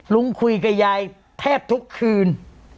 ลุงคุยกับยายแทบทุกคืน